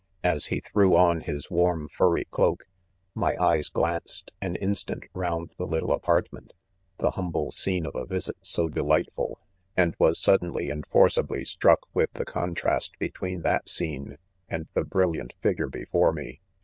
; As he threw on .his warm, furry cloak, my eyes glanced *an in stant round the little .apartment, the humble, scene of a visit so delightful j and was sudden ly and forcibly struck, with the contrast be tween that scene and the brilliant figure be fore me.